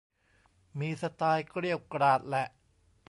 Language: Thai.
มีสไตล์เกรี้ยวกราดแหละ